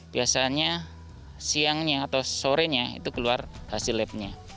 biasanya siangnya atau sorenya itu keluar hasil labnya